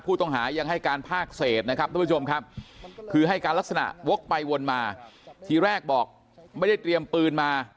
ผู้ต้องหายังให้การภาคเศษนะครับทุกผู้ชมครับคือให้การลักษณะวกไปวนมาทีแรกบอกไม่ได้เตรียมปืนมา